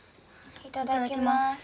いただきます。